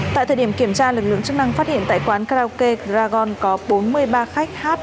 tại thời điểm kiểm tra lực lượng chức năng phát hiện tại quán karaoke gragon có bốn mươi ba khách hát